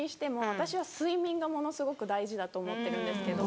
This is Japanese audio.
私は睡眠がものすごく大事だと思ってるんですけど。